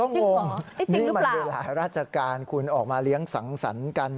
ก็งงนี่เป็นขณะเวลาราชการคุณออกมาเลี้ยงสังศันธ์กัน